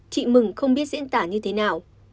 chị mừng không biết diễn tả như thế nào